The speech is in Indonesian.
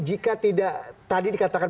jika tidak tadi dikatakan